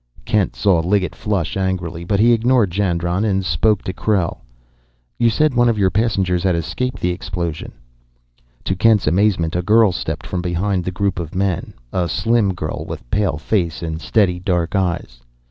Kent saw Liggett flush angrily, but he ignored Jandron and spoke to Krell. "You said one of your passengers had escaped the explosion?" To Kent's amazement a girl stepped from behind the group of men, a slim girl with pale face and steady, dark eyes.